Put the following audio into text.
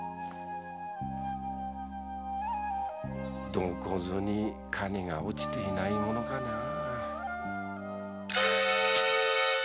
どこぞに金が落ちてないものかなぁ